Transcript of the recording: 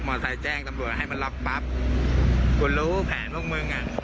มอเตอร์ไซค์แจ้งตำรวจให้มันลับปั๊บกูรู้แผนพวกมึงอ่ะ